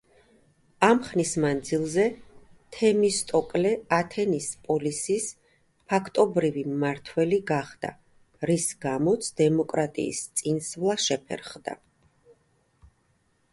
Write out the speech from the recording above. ამ ხნის მანძილზე თემისტოკლე ათენის პოლისის ფაქტობრივი მმართველი გახდა, რის გამოც დემოკრატიის წინსვლა შეფერხდა.